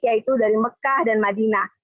yaitu dari mekah dan madinah